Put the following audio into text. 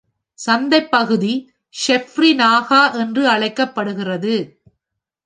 சந்தை பகுதி "சேவ்ரி நாகா" என்று அழைக்கப்படுகிறது.